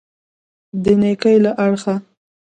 د نېکۍ له اړخه.